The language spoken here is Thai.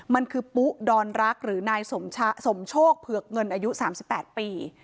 มันคือปุ๊ดอนรักหรือนายสมโชคเผือกเงินอายุ๓๘ปี